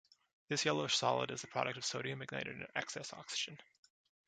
This yellowish solid is the product of sodium ignited in excess oxygen.